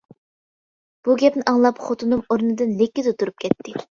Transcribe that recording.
بۇ گەپنى ئاڭلاپ خوتۇنۇم ئورنىدىن لىككىدە تۇرۇپ كەتتى.